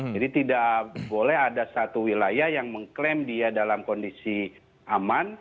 jadi tidak boleh ada satu wilayah yang mengklaim dia dalam kondisi aman